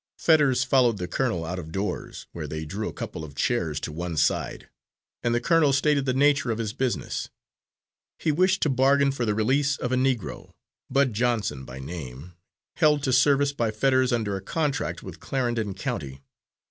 Fetters followed the colonel out of doors, where they drew a couple of chairs to one side, and the colonel stated the nature of his business. He wished to bargain for the release of a Negro, Bud Johnson by name, held to service by Fetters under a contract with Clarendon County.